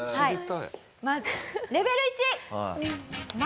まずレベル１。